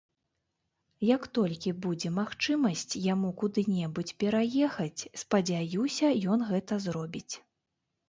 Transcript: Як толькі будзе магчымасць яму куды-небудзь пераехаць, спадзяюся, ён гэта зробіць.